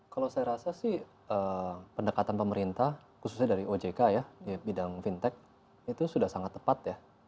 kalau saya rasa sih pendekatan pemerintah khususnya dari ojk ya di bidang fintech itu sudah sangat tepat ya